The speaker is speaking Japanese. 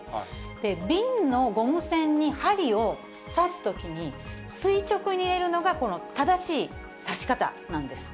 瓶のゴム栓に針を刺すときに、垂直に入れるのがこの正しい刺し方なんです。